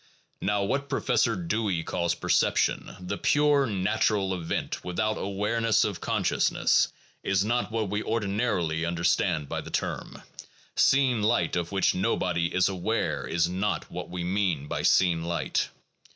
Now what Professor Dewey calls perception, the pure natural event without awareness of consciousness, is not what we ordi narily understand by the term: seen light of which nobody is aware is not what we mean by seen light.